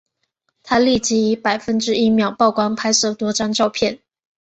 他立即以百分之一秒曝光拍摄多张照片。